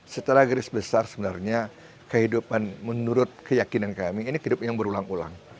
setelah geris besar sebenarnya kehidupan menurut keyakinan kami ini kehidupan yang berulang ulang